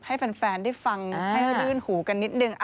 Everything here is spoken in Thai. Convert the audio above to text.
ให้แฟนได้ฟังให้รื่นหูกันนิดนึง